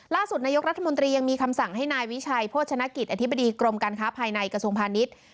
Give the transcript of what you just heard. นายกรัฐมนตรียังมีคำสั่งให้นายวิชัยโภชนกิจอธิบดีกรมการค้าภายในกระทรวงพาณิชย์